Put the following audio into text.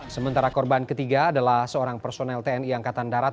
sementara korban ketiga adalah seorang personel tni angkatan darat